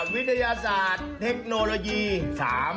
วิทยาศาสตร์เทคโนโลยี